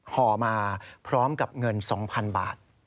ห่อมาพร้อมกับเงิน๒๐๐๐บาท